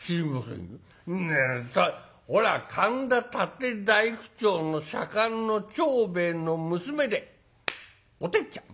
「んなほら神田竪大工町の左官の長兵衛の娘でおてっちゃん。